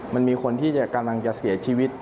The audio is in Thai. มันมีคนที่กำลังจะเสียชีวิต